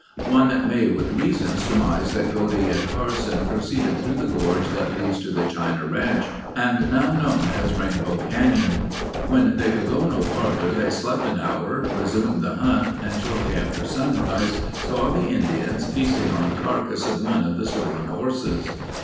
One may with reason surmise that Godey and Carson proceeded through the gorge that leads to the China Ranch and now known as Rainbow Canyon. When they could go no farther they slept an hour, resumed the hunt and shortly after sunrise, saw the Indians feasting on the carcass of one of the stolen horses.